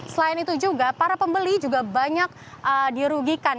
selain itu juga para pembeli juga banyak dirugikan